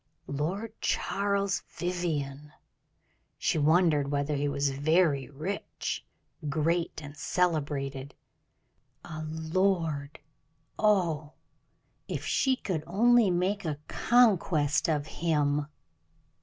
Lord Charles Vivianne! she wondered whether he was very rich, great, and celebrated. A lord! oh, if she could only make a conquest of him!